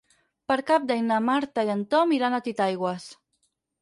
Per Cap d'Any na Marta i en Tom iran a Titaigües.